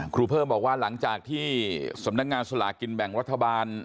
ครูเพิ่มบอกว่าหลังจากที่สำนักงานสลากินแบ่งรัฐบาล